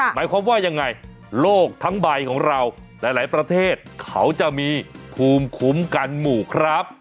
หมายความว่ายังไงโลกทั้งใบของเราหลายประเทศเขาจะมีภูมิคุ้มกันหมู่ครับ